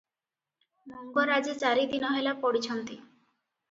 ମଙ୍ଗରାଜେ ଚାରିଦିନ ହେଲା ପଡ଼ିଛନ୍ତି ।